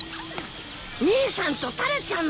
姉さんとタラちゃんだ。